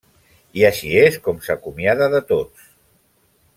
I així és com s'acomiada de tots.